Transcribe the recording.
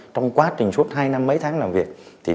trong quá trình suốt hai năm mấy tháng làm việc